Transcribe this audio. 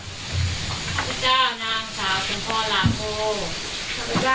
ข้าพเจ้านางสาวสุภัณฑ์หลาโภ